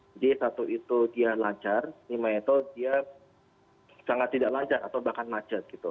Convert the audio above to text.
jadi satu itu dia lancar lima itu dia sangat tidak lancar atau bahkan macet gitu